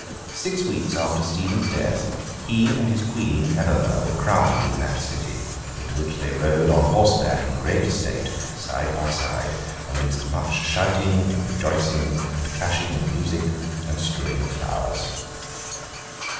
Six weeks after Stephen's death, he and his Queen, Eleanor, were crowned in that city; into which they rode on horseback in great state, side by side, amidst much shouting and rejoicing, and clashing of music, and strewing of flowers.